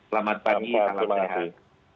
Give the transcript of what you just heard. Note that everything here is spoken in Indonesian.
selamat pagi salam sehat